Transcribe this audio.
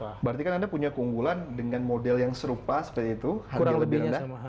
satu sofa berarti kan ada punya keunggulan dengan model yang serupa seperti itu harga lebih rendah